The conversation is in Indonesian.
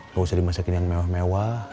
gak usah dimasakin yang mewah mewah